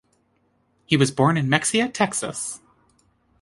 He was born in Mexia, Texas.